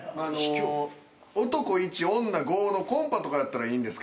男１女５のコンパとかやったらいいんですけど。